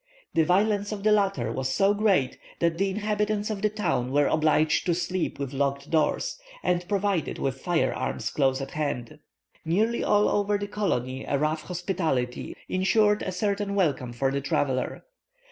The violence of the latter was so great that the inhabitants of the town were obliged to sleep with locked doors, and provided with fire arms close at hand. Nearly all over the colony a rough hospitality ensured a certain welcome for the traveller.